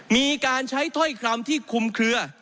มีการใช้ถ้อยคำที่คุมเคลือ